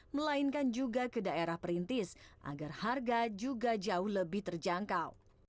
melainkan juga ke daerah perintis agar harga juga jauh lebih terjangkau